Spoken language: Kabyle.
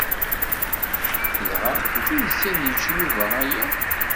Dɣa d tidet ad yečč Yuba aya?